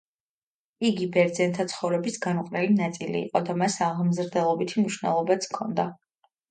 იგი ბერძენთა ცხოვრების განუყრელი ნაწილი იყო და მას აღმზრდელობითი მნიშვნელობაც ჰქონდა.